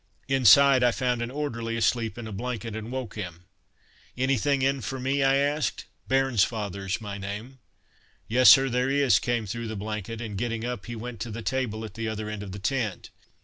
Inside I found an orderly asleep in a blanket, and woke him. "Anything in for me?" I asked. "Bairnsfather's my name." "Yes, sir, there is," came through the blanket, and getting up he went to the table at the other end of the tent.